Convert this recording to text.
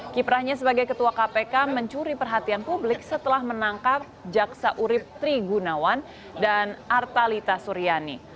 kiprahnya sebagai ketua kpk mencuri perhatian publik setelah menangkap jaksa urib trigunawan dan artalita suryani